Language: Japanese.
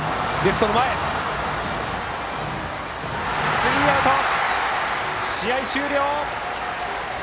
スリーアウト、試合終了！